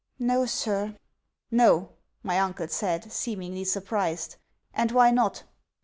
'No, sir.' 'No!' my uncle said, seemingly surprised; 'and why not?'